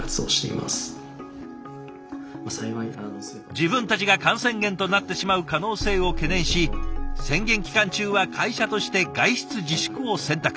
自分たちが感染源となってしまう可能性を懸念し宣言期間中は会社として外出自粛を選択。